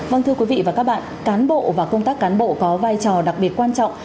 vâng thưa quý vị và các bạn cán bộ và công tác cán bộ có vai trò đặc biệt quan trọng